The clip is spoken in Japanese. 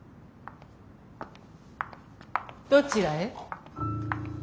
どちらへ？